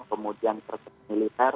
kemudian kresek militer